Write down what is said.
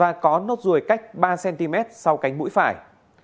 và có nốt ruồi cách ba cm sau cánh mũi phải